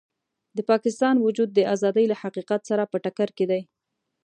د پاکستان وجود د ازادۍ له حقیقت سره په ټکر کې دی.